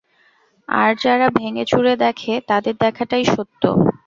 আর যারা ভেঙে চুরে দেখে তাদের দেখাটাই সত্য?